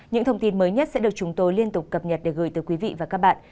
những thông tin mới nhất sẽ được chúng tôi liên tục cập nhật để gửi tới quý vị và các bạn